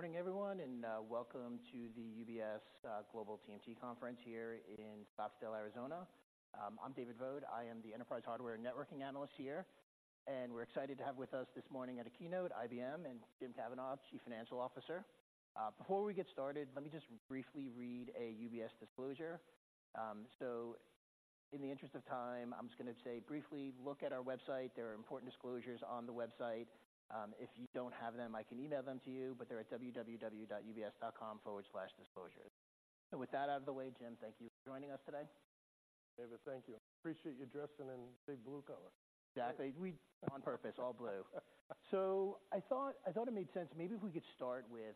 Good morning, everyone, and welcome to the UBS Global TMT Conference here in Scottsdale, Arizona. I'm David Vogt. I am the enterprise hardware and networking analyst here, and we're excited to have with us this morning at a keynote, IBM and Jim Kavanaugh, Chief Financial Officer. Before we get started, let me just briefly read a UBS disclosure. So in the interest of time, I'm just going to say briefly, look at our website. There are important disclosures on the website. If you don't have them, I can email them to you, but they're at www.ubs.com/disclosures. So with that out of the way, Jim, thank you for joining us today. David, thank you. Appreciate you dressing in Big Blue color. Exactly. On purpose, all blue. So I thought it made sense, maybe if we could start with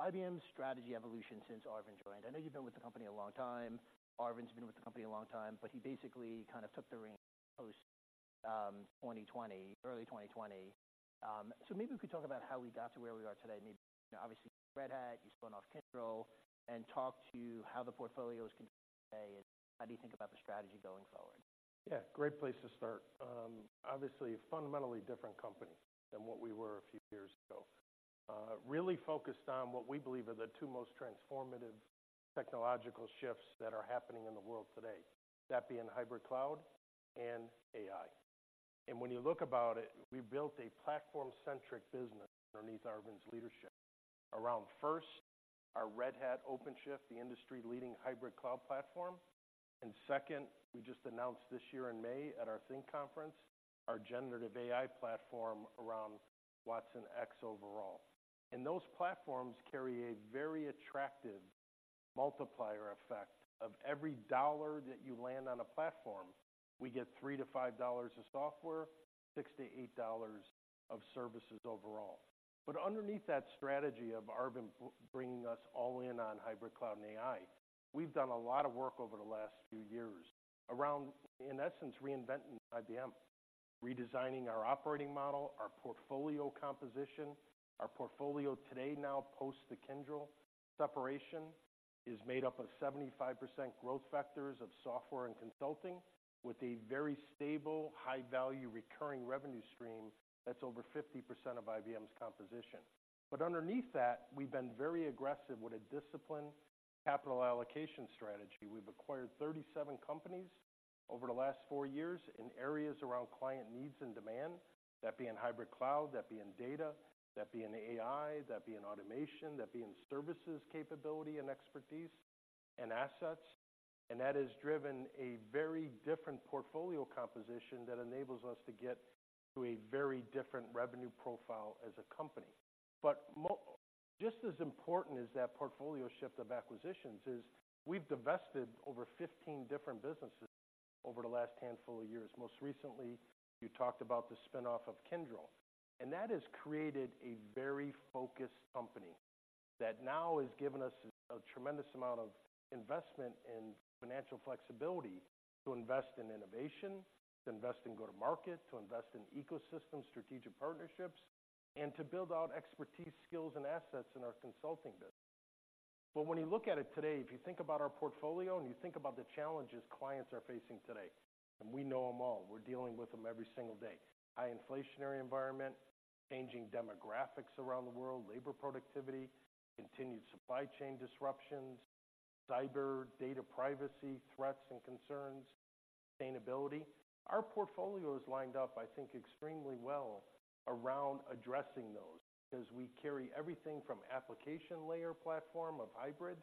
IBM's strategy evolution since Arvind joined. I know you've been with the company a long time. Arvind's been with the company a long time, but he basically kind of took the reins post 2020, early 2020. So maybe we could talk about how we got to where we are today. Maybe, obviously, Red Hat, you spun off Kyndryl, and talk to how the portfolio is today, and how do you think about the strategy going forward? Yeah, great place to start. Obviously, a fundamentally different company than what we were a few years ago. Really focused on what we believe are the two most transformative technological shifts that are happening in the world today, that being hybrid cloud and AI. And when you look at it, we built a platform-centric business underneath Arvind's leadership around, first, our Red Hat OpenShift, the industry-leading hybrid cloud platform, and second, we just announced this year in May at our Think Conference, our generative AI platform around watsonx overall. And those platforms carry a very attractive multiplier effect of every $1 that you land on a platform, we get $3-$5 of software, $6-$8 of services overall. But underneath that strategy of Arvind bringing us all in on hybrid cloud and AI, we've done a lot of work over the last few years around, in essence, reinventing IBM, redesigning our operating model, our portfolio composition. Our portfolio today now, post the Kyndryl separation, is made up of 75% growth vectors of software and consulting, with a very stable, high-value, recurring revenue stream that's over 50% of IBM's composition. But underneath that, we've been very aggressive with a disciplined capital allocation strategy. We've acquired 37 companies over the last four years in areas around client needs and demand, that being hybrid cloud, that being data, that being AI, that being automation, that being services capability and expertise and assets. And that has driven a very different portfolio composition that enables us to get to a very different revenue profile as a company. But just as important as that portfolio shift of acquisitions is we've divested over 15 different businesses over the last handful of years. Most recently, you talked about the spin-off of Kyndryl, and that has created a very focused company that now has given us a tremendous amount of investment and financial flexibility to invest in innovation, to invest in go-to-market, to invest in ecosystem, strategic partnerships, and to build out expertise, skills, and assets in our consulting business. But when you look at it today, if you think about our portfolio and you think about the challenges clients are facing today, and we know them all, we're dealing with them every single day: high inflationary environment, changing demographics around the world, labor productivity, continued supply chain disruptions, cyber data privacy, threats and concerns, sustainability. Our portfolio is lined up, I think, extremely well around addressing those, because we carry everything from application layer platform of hybrid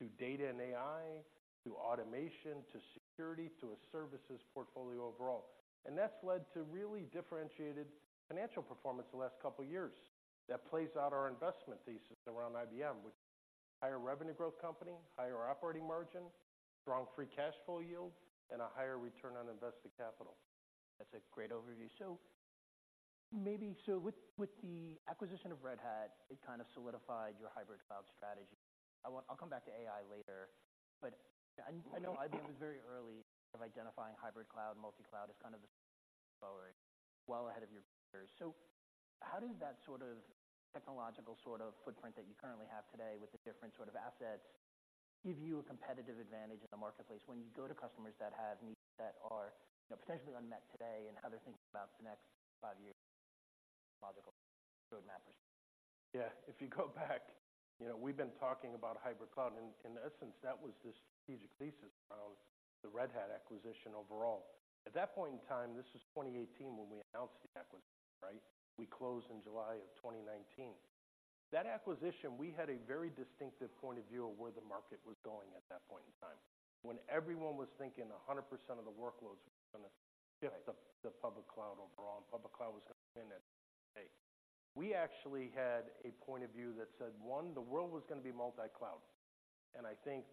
to data and AI, to automation, to security, to a services portfolio overall. That's led to really differentiated financial performance the last couple of years. That plays out our investment thesis around IBM, which higher revenue growth company, higher operating margin, strong free cash flow yield, and a higher return on invested capital. That's a great overview. So maybe with the acquisition of Red Hat, it kind of solidified your hybrid cloud strategy. I want- I'll come back to AI later, but I know IBM was very early in identifying hybrid cloud, multi-cloud as kind of the forward, well ahead of your peers. So how does that sort of technological footprint that you currently have today with the different sort of assets give you a competitive advantage in the marketplace when you go to customers that have needs that are, you know, potentially unmet today and how they're thinking about the next five years, logical road map? Yeah, if you go back, you know, we've been talking about hybrid cloud, and in essence, that was the strategic thesis around the Red Hat acquisition overall. At that point in time, this was 2018 when we announced the acquisition, right? We closed in July of 2019. That acquisition, we had a very distinctive point of view of where the market was going at that point in time. When everyone was thinking 100% of the workloads were going to shift to the public cloud overall, and public cloud was going to win it. We actually had a point of view that said, one, the world was going to be multi-cloud. And I think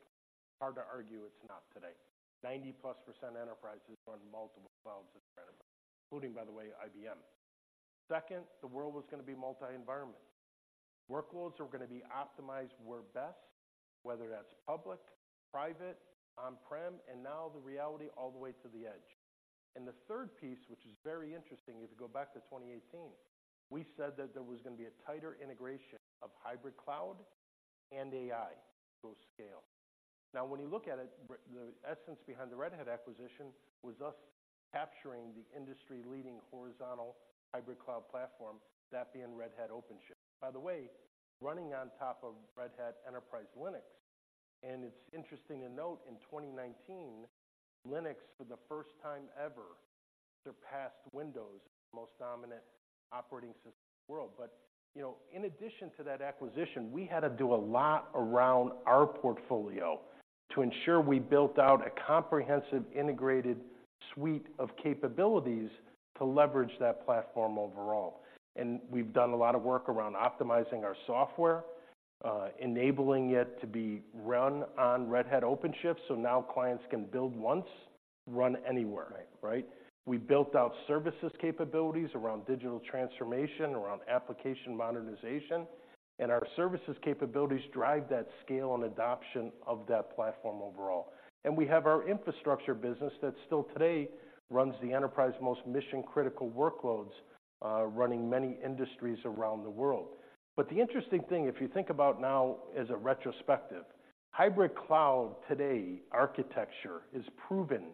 hard to argue it's not today. 90+% enterprises run multiple clouds, including, by the way, IBM. Second, the world was going to be multi-environment. Workloads were going to be optimized where best, whether that's public, private, on-prem, and now the reality all the way to the edge. And the third piece, which is very interesting, if you go back to 2018, we said that there was going to be a tighter integration of hybrid cloud and AI to scale. Now, when you look at it, the essence behind the Red Hat acquisition was us capturing the industry-leading horizontal hybrid cloud platform, that being Red Hat OpenShift. By the way, running on top of Red Hat Enterprise Linux. And it's interesting to note, in 2019, Linux, for the first time ever, surpassed Windows, the most dominant operating system in the world. You know, in addition to that acquisition, we had to do a lot around our portfolio to ensure we built out a comprehensive, integrated suite of capabilities to leverage that platform overall. We've done a lot of work around optimizing our software, enabling it to be run on Red Hat OpenShift, so now clients can build once, run anywhere. Right. Right? We built out services capabilities around digital transformation, around application modernization, and our services capabilities drive that scale and adoption of that platform overall. And we have our infrastructure business that still today runs the enterprise's most mission-critical workloads, running many industries around the world. But the interesting thing, if you think about now as a retrospective, hybrid cloud today, architecture, is proven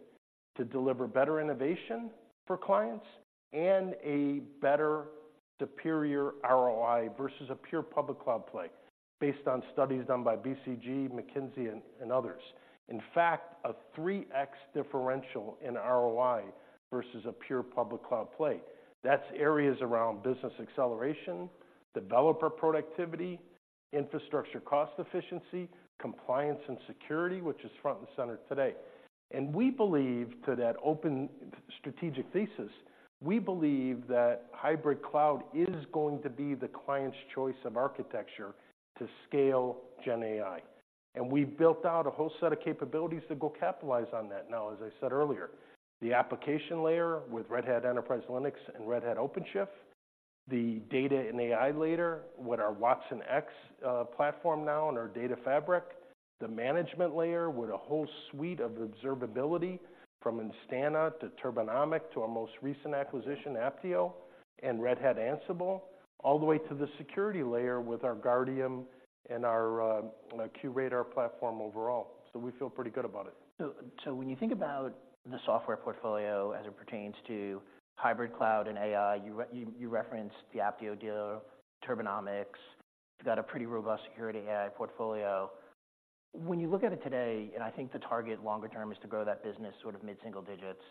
to deliver better innovation for clients and a better, superior ROI versus a pure public cloud play, based on studies done by BCG, McKinsey, and, and others. In fact, a 3x differential in ROI versus a pure public cloud play. That's areas around business acceleration, developer productivity, infrastructure, cost efficiency, compliance and security, which is front and center today. And we believe, to that open strategic thesis, we believe that hybrid cloud is going to be the client's choice of architecture to scale GenAI. And we've built out a whole set of capabilities to go capitalize on that. Now, as I said earlier, the application layer with Red Hat Enterprise Linux and Red Hat OpenShift, the data and AI layer with our watsonx platform now and our data fabric, the management layer with a whole suite of observability from Instana to Turbonomic, to our most recent acquisition, Apptio and Red Hat Ansible, all the way to the security layer with our Guardium and our QRadar platform overall. So we feel pretty good about it. So when you think about the software portfolio as it pertains to hybrid cloud and AI, you referenced the Apptio deal, Turbonomic. You've got a pretty robust security AI portfolio. When you look at it today, and I think the target longer term is to grow that business sort of mid-single digits.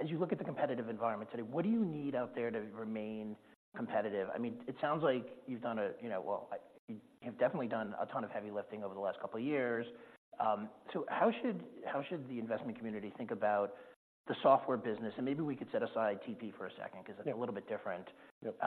As you look at the competitive environment today, what do you need out there to remain competitive? I mean, it sounds like you've done a, you know... Well, you've definitely done a ton of heavy lifting over the last couple of years. So how should the investment community think about the software business? Maybe we could set aside TP for a second, because- Yeah... it's a little bit different. Yep.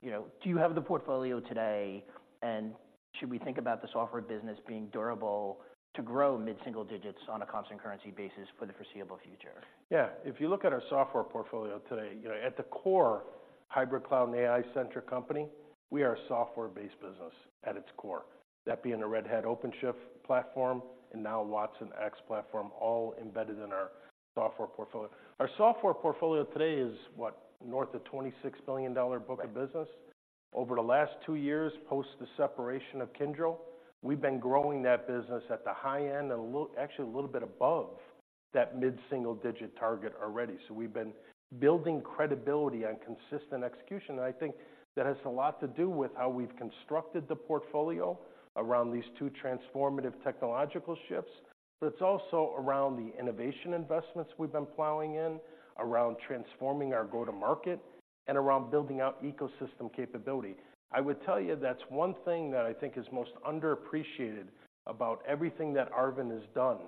You know, do you have the portfolio today, and should we think about the software business being durable to grow mid-single digits on a constant currency basis for the foreseeable future? Yeah. If you look at our software portfolio today, you know, at the core, hybrid cloud and AI-centric company, we are a software-based business at its core. That being a Red Hat OpenShift platform, and now watsonx platform, all embedded in our software portfolio. Our software portfolio today is, what? North of $26 billion book of business. Right. Over the last two years, post the separation of Kyndryl, we've been growing that business at the high end and a little, actually, a little bit above that mid-single-digit target already. So we've been building credibility on consistent execution, and I think that has a lot to do with how we've constructed the portfolio around these two transformative technological shifts. But it's also around the innovation investments we've been plowing in, around transforming our go-to-market, and around building out ecosystem capability. I would tell you, that's one thing that I think is most underappreciated about everything that Arvind has done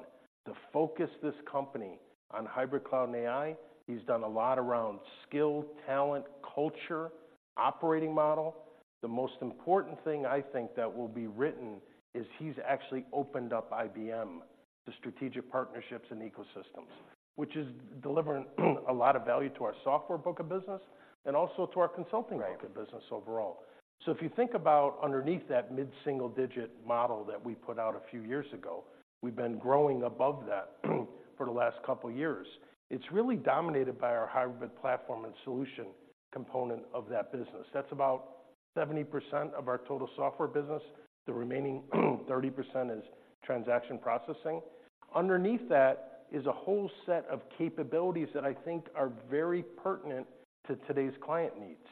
to focus this company on hybrid cloud and AI. He's done a lot around skill, talent, culture, operating model. The most important thing I think that will be written is he's actually opened up IBM to strategic partnerships and ecosystems, which is delivering a lot of value to our software book of business and also to our consulting- Right... book of business overall. So if you think about underneath that mid-single-digit model that we put out a few years ago, we've been growing above that, for the last couple of years. It's really dominated by our hybrid platform and solution component of that business. That's about 70% of our total software business. The remaining, 30% is transaction processing. Underneath that is a whole set of capabilities that I think are very pertinent to today's client needs,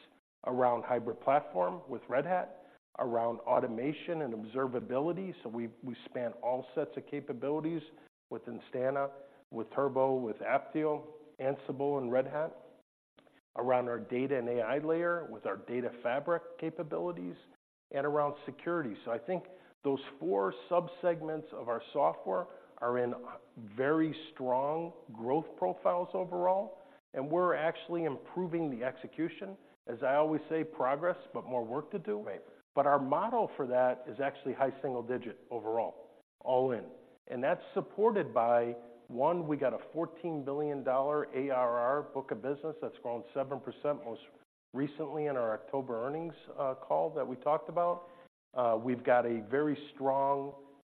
around hybrid platform with Red Hat, around automation and observability. So we, we span all sets of capabilities with Instana, with Turbo, with Apptio, Ansible and Red Hat, around our data and AI layer, with our data fabric capabilities and around security. So I think those four subsegments of our software are in very strong growth profiles overall, and we're actually improving the execution. As I always say, progress, but more work to do. Right. But our model for that is actually high single digit overall, all in. And that's supported by, one, we got a $14 billion ARR book of business that's grown 7%, most recently in our October earnings call that we talked about. We've got a very strong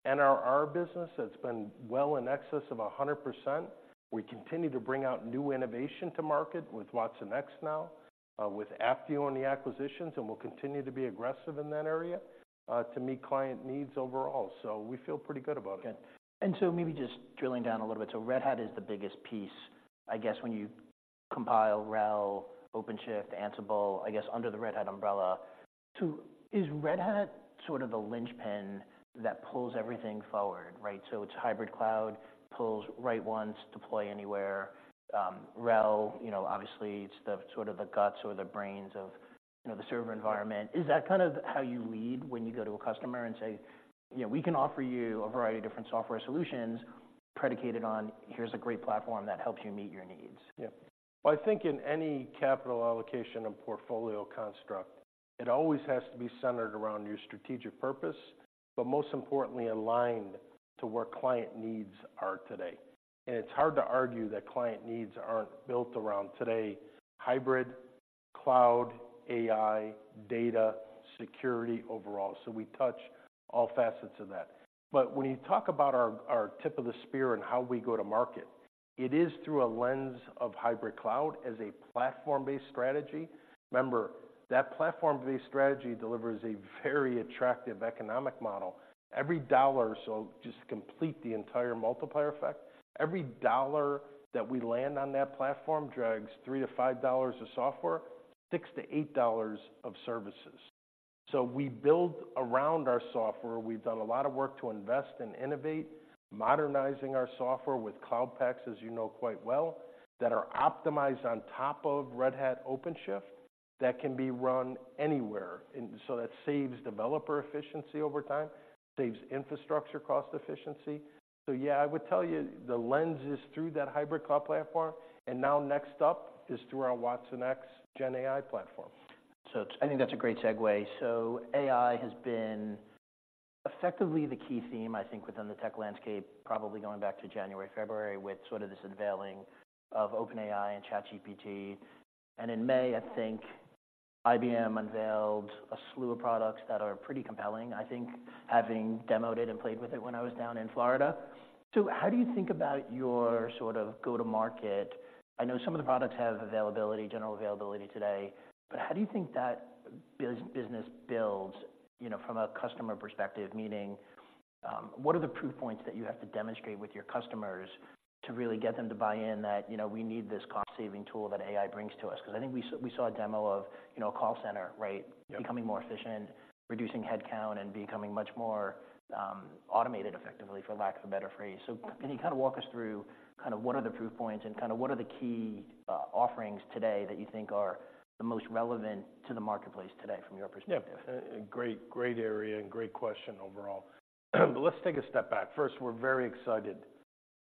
NRR business that's been well in excess of 100%. We continue to bring out new innovation to market with watsonx now, with Apptio and the acquisitions, and we'll continue to be aggressive in that area, to meet client needs overall. So we feel pretty good about it. Good. And so maybe just drilling down a little bit. So Red Hat is the biggest piece, I guess, when you compile, RHEL, OpenShift, Ansible, I guess, under the Red Hat umbrella. So is Red Hat sort of a linchpin that pulls everything forward, right? So it's hybrid cloud, pulls right ones, deploy anywhere. RHEL, you know, obviously it's the sort of the guts or the brains of, you know, the server environment. Is that kind of how you lead when you go to a customer and say, "You know, we can offer you a variety of different software solutions predicated on, here's a great platform that helps you meet your needs? Yeah. Well, I think in any capital allocation and portfolio construct, it always has to be centered around your strategic purpose, but most importantly, aligned to where client needs are today. And it's hard to argue that client needs aren't built around today: hybrid, cloud, AI, data, security overall. So we touch all facets of that. But when you talk about our, our tip of the spear and how we go to market, it is through a lens of hybrid cloud as a platform-based strategy. Remember, that platform-based strategy delivers a very attractive economic model. Every dollar, so just complete the entire multiplier effect, every dollar that we land on that platform drags $3-$5 of software, $6-$8 of services. So we build around our software. We've done a lot of work to invest and innovate, modernizing our software with Cloud Paks, as you know quite well, that are optimized on top of Red Hat OpenShift, that can be run anywhere. And so that saves developer efficiency over time, saves infrastructure cost efficiency. So yeah, I would tell you, the lens is through that hybrid cloud platform, and now next up is through our watsonx GenAI platform. I think that's a great segue. AI has been effectively the key theme, I think, within the tech landscape, probably going back to January, February, with sort of this unveiling of OpenAI and ChatGPT. In May, I think IBM unveiled a slew of products that are pretty compelling, I think, having demoed it and played with it when I was down in Florida. How do you think about your sort of go-to-market? I know some of the products have availability, general availability today, but how do you think that business builds, you know, from a customer perspective, meaning, what are the proof points that you have to demonstrate with your customers to really get them to buy in, that, "You know, we need this cost-saving tool that AI brings to us?" Because I think we saw, we saw a demo of, you know, a call center, right? Yeah... becoming more efficient, reducing headcount, and becoming much more automated, effectively, for lack of a better phrase. So can you kind of walk us through kind of what are the proof points and kind of what are the key offerings today that you think are the most relevant to the marketplace today from your perspective? Yeah. A great, great area and great question overall. But let's take a step back. First, we're very excited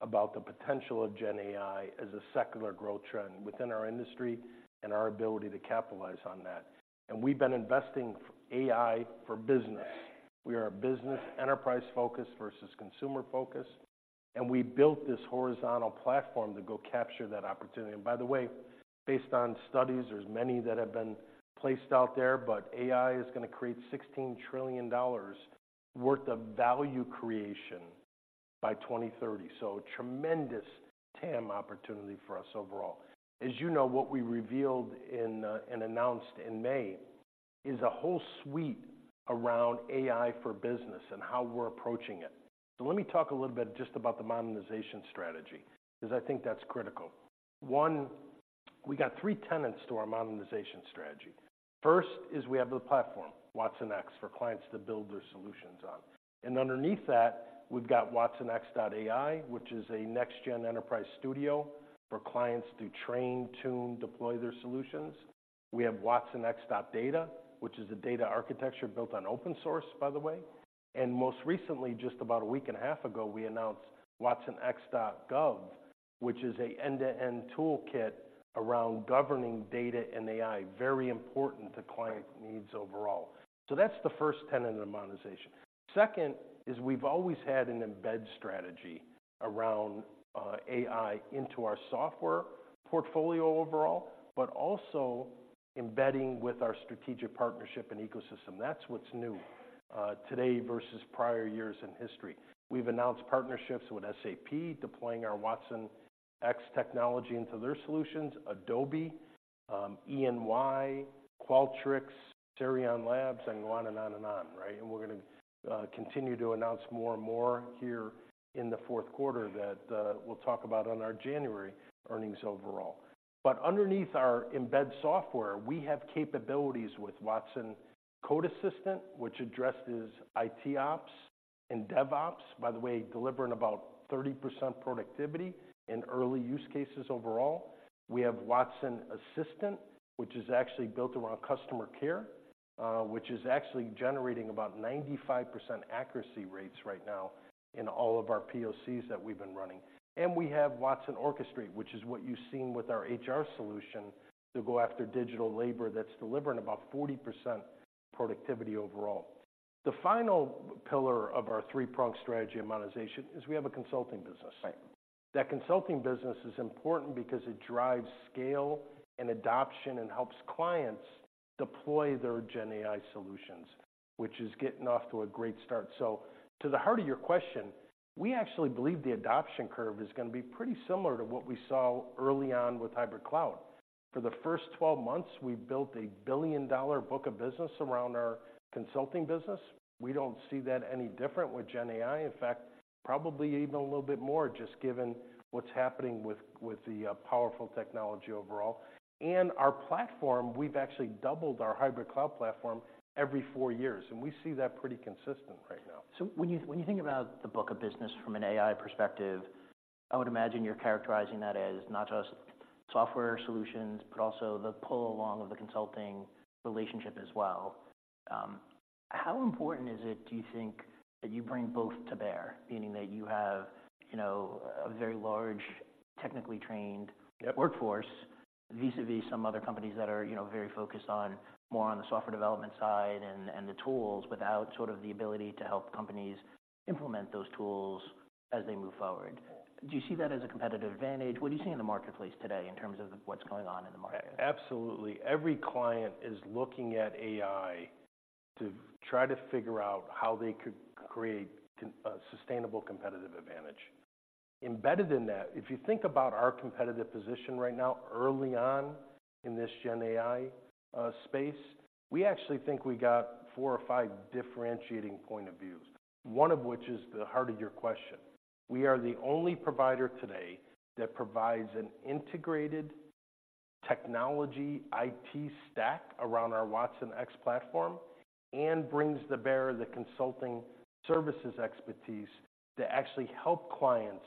about the potential of GenAI as a secular growth trend within our industry and our ability to capitalize on that, and we've been investing AI for business. We are a business enterprise focus versus consumer focus, and we built this horizontal platform to go capture that opportunity. And by the way, based on studies, there's many that have been placed out there, but AI is going to create $16 trillion worth of value creation by 2030. So a tremendous TAM opportunity for us overall. As you know, what we revealed in and announced in May is a whole suite around AI for business and how we're approaching it. So let me talk a little bit just about the modernization strategy, because I think that's critical. 1, we have three tenets to our modernization strategy. First is we have the platform, watsonx, for clients to build their solutions on, and underneath that, we've got watsonx.ai, which is a next-gen enterprise studio for clients to train, tune, deploy their solutions. We have watsonx.data, which is a data architecture built on open source, by the way. And most recently, just about a week and a half ago, we announced watsonx.governance, which is an end-to-end toolkit around governing data and AI, very important to client needs overall. So that's the first tenet of modernization. Second is we've always had an embed strategy around AI into our software portfolio overall, but also embedding with our strategic partnership and ecosystem. That's what's new today versus prior years in history. We've announced partnerships with SAP, deploying our watsonx technology into their solutions, Adobe, EY, Qualtrics, Serean Labs, and on and on and on, right? And we're gonna continue to announce more and more here in the fourth quarter that we'll talk about on our January earnings overall. But underneath our embed software, we have capabilities with Watson Code Assistant, which addresses IT ops and DevOps, by the way, delivering about 30% productivity in early use cases overall. We have Watson Assistant, which is actually built around customer care, which is actually generating about 95% accuracy rates right now in all of our POCs that we've been running. And we have Watson Orchestrate, which is what you've seen with our HR solution, to go after digital labor that's delivering about 40% productivity overall. The final pillar of our three-pronged strategy of modernization is we have a consulting business. Right. That consulting business is important because it drives scale and adoption and helps clients deploy their GenAI solutions, which is getting off to a great start. So to the heart of your question, we actually believe the adoption curve is going to be pretty similar to what we saw early on with hybrid cloud. For the first 12 months, we've built a billion-dollar book of business around our consulting business. We don't see that any different with GenAI. In fact, probably even a little bit more, just given what's happening with the powerful technology overall. And our platform, we've actually doubled our hybrid cloud platform every 4 years, and we see that pretty consistent right now. So when you think about the book of business from an AI perspective, I would imagine you're characterizing that as not just software solutions, but also the pull along of the consulting relationship as well. How important is it, do you think, that you bring both to bear, meaning that you have, you know, a very large, technically trained- Yeah... workforce, vis-à-vis some other companies that are, you know, very focused on more on the software development side and the tools, without sort of the ability to help companies implement those tools as they move forward? Do you see that as a competitive advantage? What do you see in the marketplace today in terms of what's going on in the market? Absolutely. Every client is looking at AI to try to figure out how they could create a sustainable competitive advantage. Embedded in that, if you think about our competitive position right now, early on in this Gen AI space, we actually think we got four or five differentiating point of views, one of which is the heart of your question. We are the only provider today that provides an integrated technology IT stack around our watsonx platform, and brings to bear the consulting services expertise to actually help clients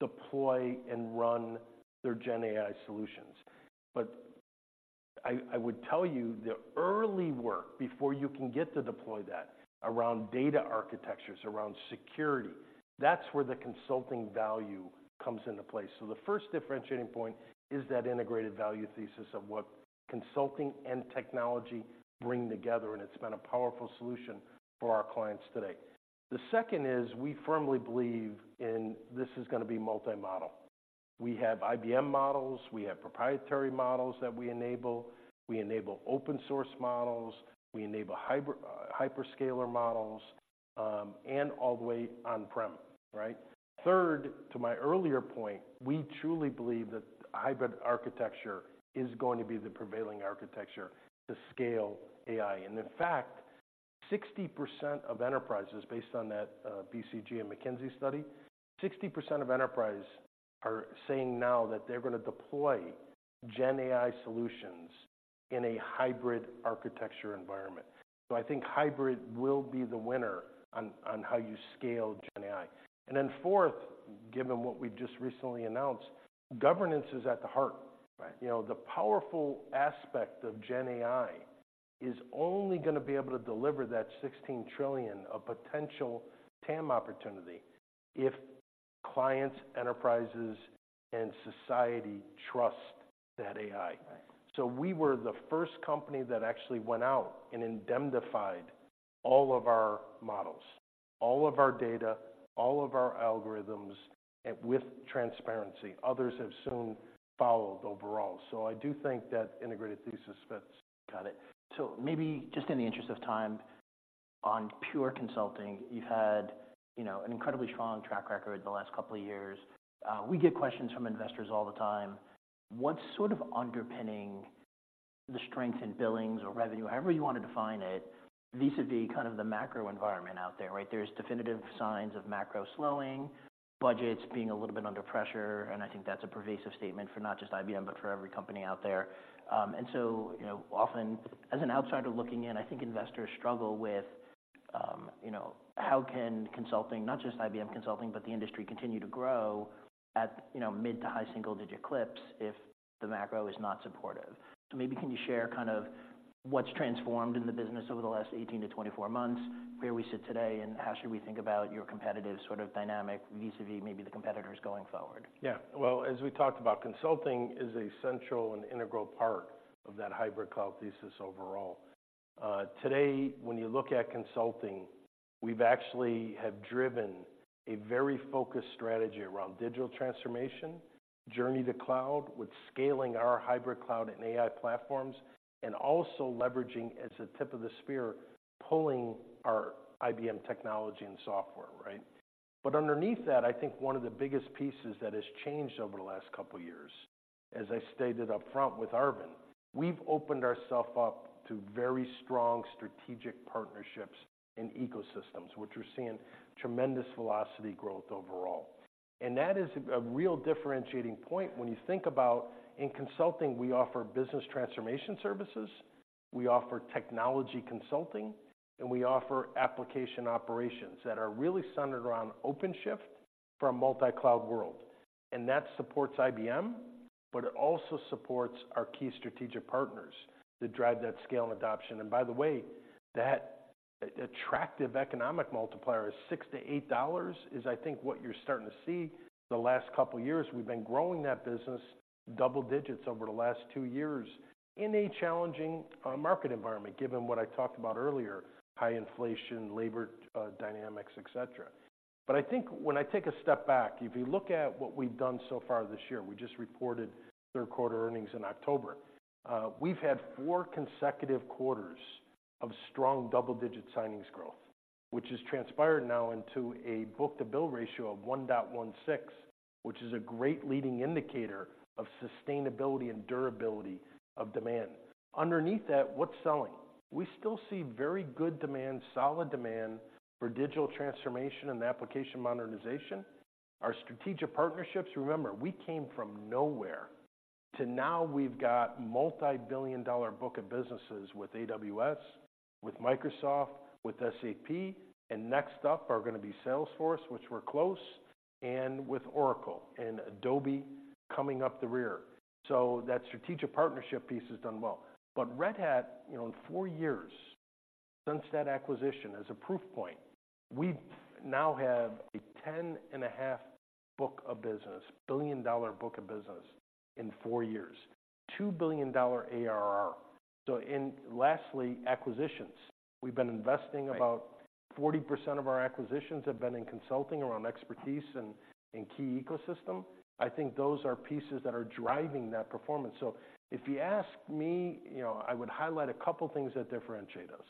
deploy and run their Gen AI solutions. But I would tell you, the early work, before you can get to deploy that, around data architectures, around security, that's where the consulting value comes into place. So the first differentiating point is that integrated value thesis of what consulting and technology bring together, and it's been a powerful solution for our clients today. The second is, we firmly believe in this is gonna be multi-model. We have IBM models, we have proprietary models that we enable, we enable open source models, we enable hybrid, hyperscaler models, and all the way on-prem, right? Third, to my earlier point, we truly believe that hybrid architecture is going to be the prevailing architecture to scale AI. And in fact, 60% of enterprises, based on that, BCG and McKinsey study, 60% of enterprise are saying now that they're gonna deploy Gen AI solutions in a hybrid architecture environment. So I think hybrid will be the winner on how you scale Gen AI. Fourth, given what we've just recently announced, governance is at the heart. Right. You know, the powerful aspect of GenAI is only gonna be able to deliver that $16 trillion of potential TAM opportunity if clients, enterprises, and society trust that AI. Right. We were the first company that actually went out and indemnified all of our models, all of our data, all of our algorithms, with transparency. Others have soon followed overall. I do think that integrated thesis fits. Got it. So maybe just in the interest of time, on pure consulting, you've had, you know, an incredibly strong track record the last couple of years. We get questions from investors all the time: What's sort of underpinning the strength in billings or revenue, however you want to define it, vis-à-vis kind of the macro environment out there, right? There's definitive signs of macro slowing, budgets being a little bit under pressure, and I think that's a pervasive statement for not just IBM, but for every company out there. And so, you know, often as an outsider looking in, I think investors struggle with, you know, how can consulting, not just IBM Consulting, but the industry, continue to grow at, you know, mid to high single-digit clips if the macro is not supportive? Maybe can you share kind of what's transformed in the business over the last 18-24 months, where we sit today, and how should we think about your competitive sort of dynamic, vis-à-vis maybe the competitors going forward? Yeah. Well, as we talked about, consulting is a central and integral part of that hybrid cloud thesis overall. Today, when you look at consulting, we've actually have driven a very focused strategy around digital transformation, journey to cloud, with scaling our hybrid cloud and AI platforms, and also leveraging, as a tip of the spear, pulling our IBM technology and software, right? But underneath that, I think one of the biggest pieces that has changed over the last couple of years, as I stated upfront with Arvind, we've opened ourself up to very strong strategic partnerships and ecosystems, which we're seeing tremendous velocity growth overall. And that is a real differentiating point when you think about in consulting, we offer business transformation services, we offer technology consulting, and we offer application operations that are really centered around OpenShift for a multi-cloud world. That supports IBM, but it also supports our key strategic partners that drive that scale and adoption. By the way, that attractive economic multiplier is $6-$8, is I think what you're starting to see. The last couple of years, we've been growing that business double digits over the last two years in a challenging market environment, given what I talked about earlier, high inflation, labor dynamics, et cetera. But I think when I take a step back, if you look at what we've done so far this year, we just reported third quarter earnings in October. We've had 4 consecutive quarters of strong double-digit signings growth, which has transpired now into a book-to-bill ratio of 1.16, which is a great leading indicator of sustainability and durability of demand. Underneath that, what's selling? We still see very good demand, solid demand for digital transformation and application modernization. Our strategic partnerships, remember, we came from nowhere to now we've got multi-billion-dollar book of businesses with AWS, with Microsoft, with SAP, and next up are gonna be Salesforce, which we're close, and with Oracle and Adobe coming up the rear. So that strategic partnership piece has done well. But Red Hat, you know, in four years since that acquisition, as a proof point, we now have a $10.5 billion book of business in four years, $2 billion ARR. So lastly, acquisitions. We've been investing about- Right. 40% of our acquisitions have been in consulting around expertise and key ecosystem. I think those are pieces that are driving that performance. So if you ask me, you know, I would highlight a couple things that differentiate us.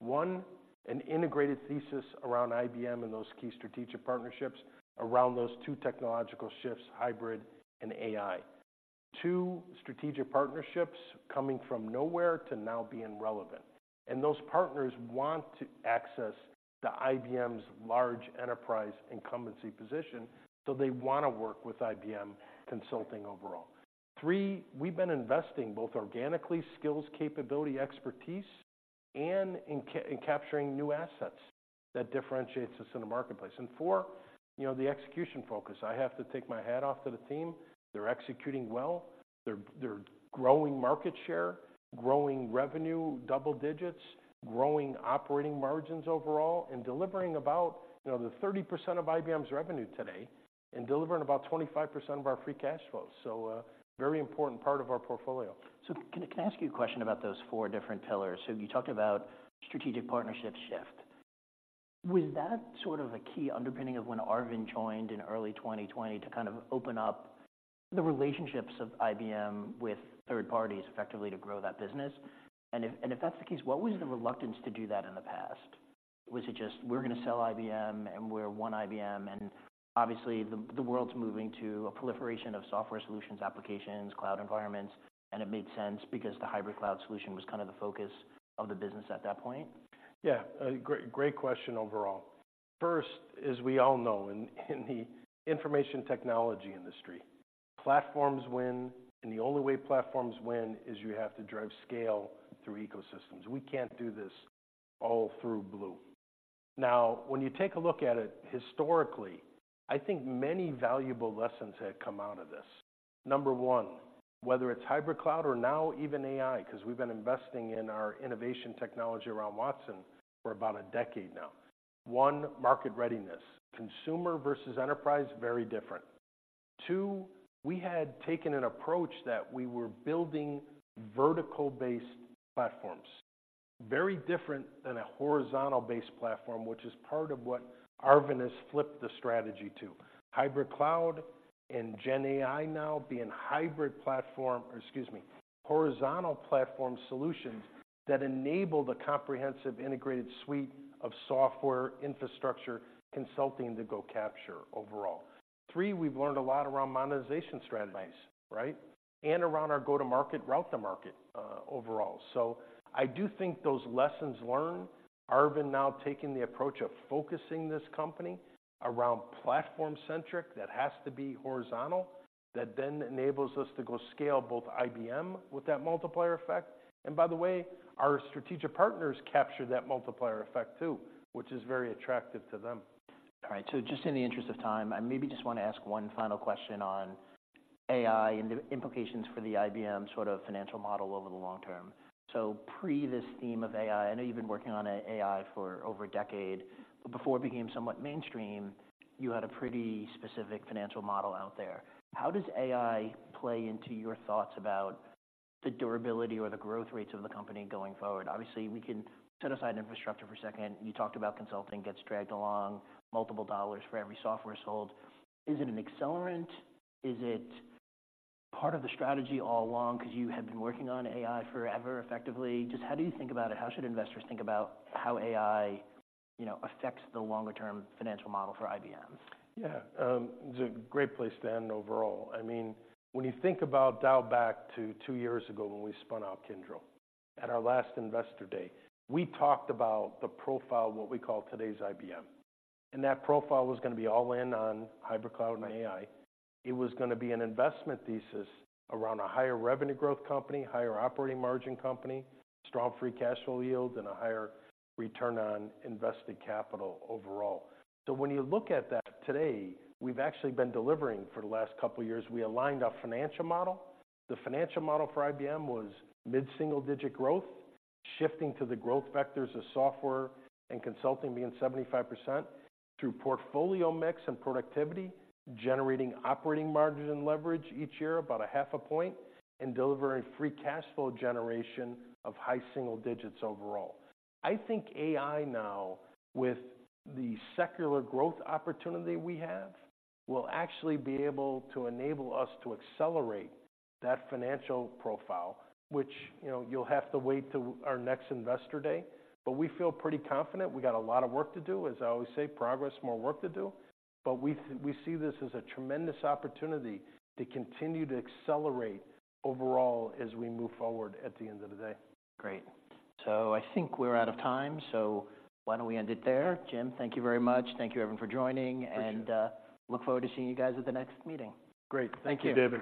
One, an integrated thesis around IBM and those key strategic partnerships around those two technological shifts, hybrid and AI. Two, strategic partnerships coming from nowhere to now being relevant, and those partners want to access IBM's large enterprise incumbency position, so they wanna work with IBM Consulting overall. Three, we've been investing both organically, skills, capability, expertise, and in capturing new assets. That differentiates us in the marketplace. And four, you know, the execution focus. I have to take my hat off to the team. They're executing well. They're growing market share, growing revenue, double digits, growing operating margins overall, and delivering about, you know, the 30% of IBM's revenue today and delivering about 25% of our free cash flow. So, very important part of our portfolio. So can I, can I ask you a question about those four different pillars? So you talked about strategic partnership shift. Was that sort of a key underpinning of when Arvind joined in early 2020 to kind of open up the relationships of IBM with third parties effectively to grow that business? And if, and if that's the case, what was the reluctance to do that in the past? Was it just: We're gonna sell IBM, and we're one IBM, and obviously, the, the world's moving to a proliferation of software solutions, applications, cloud environments, and it made sense because the hybrid cloud solution was kind of the focus of the business at that point? Yeah, a great, great question overall. First, as we all know, in, in the information technology industry, platforms win, and the only way platforms win is you have to drive scale through ecosystems. We can't do this all through IBM. Now, when you take a look at it historically, I think many valuable lessons have come out of this. Number one, whether it's hybrid cloud or now even AI, 'cause we've been investing in our innovation technology around Watson for about a decade now. One, market readiness, consumer versus enterprise, very different. Two, we had taken an approach that we were building vertical-based platforms, very different than a horizontal-based platform, which is part of what Arvind has flipped the strategy to. Hybrid cloud and GenAI now being hybrid platform... Excuse me, horizontal platform solutions that enable the comprehensive, integrated suite of software, infrastructure, consulting to go capture overall. Three, we've learned a lot around monetization strategies, right? And around our go-to-market, route-to-market, overall. So I do think those lessons learned, Arvind now taking the approach of focusing this company around platform-centric, that has to be horizontal, that then enables us to go scale both IBM with that multiplier effect. And by the way, our strategic partners capture that multiplier effect, too, which is very attractive to them. All right, so just in the interest of time, I maybe just want to ask one final question on AI and the implications for the IBM sort of financial model over the long term. So pre this theme of AI, I know you've been working on AI for over a decade, but before it became somewhat mainstream, you had a pretty specific financial model out there. How does AI play into your thoughts about the durability or the growth rates of the company going forward? Obviously, we can set aside infrastructure for a second. You talked about consulting gets dragged along, multiple dollars for every software sold. Is it an accelerant? Is it part of the strategy all along because you have been working on AI forever, effectively? Just how do you think about it? How should investors think about how AI, you know, affects the longer-term financial model for IBM? Yeah, it's a great place to end overall. I mean, when you think about dial back to two years ago when we spun out Kyndryl. At our last Investor Day, we talked about the profile, what we call today's IBM, and that profile was gonna be all in on Hybrid Cloud and AI. It was gonna be an investment thesis around a higher revenue growth company, higher operating margin company, strong free cash flow yield, and a higher return on invested capital overall. So when you look at that today, we've actually been delivering for the last couple of years. We aligned our financial model. The financial model for IBM was mid-single-digit growth, shifting to the growth vectors of software and consulting being 75% through portfolio mix and productivity, generating operating margin and leverage each year about 0.5 point, and delivering free cash flow generation of high single digits overall. I think AI now, with the secular growth opportunity we have, will actually be able to enable us to accelerate that financial profile, which, you know, you'll have to wait till our next Investor Day, but we feel pretty confident. We got a lot of work to do. As I always say, progress, more work to do, but we see this as a tremendous opportunity to continue to accelerate overall as we move forward at the end of the day. Great. So I think we're out of time, so why don't we end it there? Jim, thank you very much. Thank you, everyone, for joining- Appreciate it. Look forward to seeing you guys at the next meeting. Great. Thank you, David.